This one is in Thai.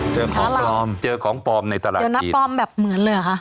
เจอของปลอมเจอของปลอมในตลาดเจอหน้าปลอมแบบเหมือนเลยเหรอคะ